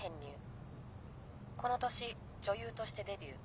この年女優としてデビュー。